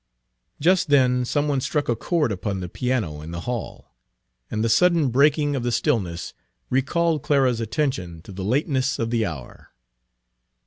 Just then some one struck a chord upon the piano in the hall, and the sudden breaking of the stillness recalled Clara's attention to the lateness of the hour.